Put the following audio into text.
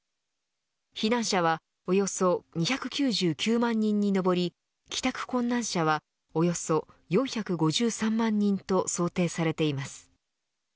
避難者は、およそ２９９万人に上り帰宅困難者はおよそ４５３万人と想定されています。